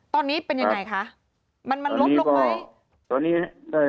ตอนนี้เป็นยังไงคะมันลุกไหม